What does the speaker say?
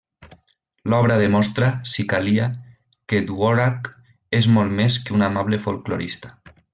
L'obra demostra, si calia, que Dvořák és molt més que un amable folklorista!